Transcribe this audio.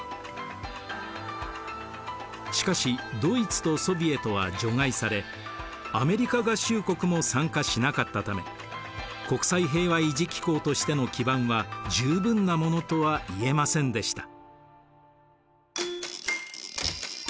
しかしドイツとソヴィエトは除外されアメリカ合衆国も参加しなかったため国際平和維持機構としての基盤は十分なものとは言えませんでした。